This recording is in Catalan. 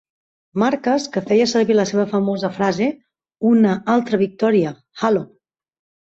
Markas, que feia servir la seva famosa frase "Una altra victòria Halo!"